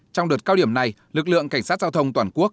trong đợt cao điểm này lực lượng cảnh sát giao thông toàn quốc